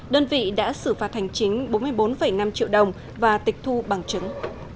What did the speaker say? đơn vị đã xử phạt hành chính bốn mươi bốn năm triệu đồng và tịch thu bằng chứng